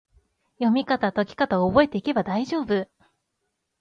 読みかた・解きかたを覚えていけば大丈夫！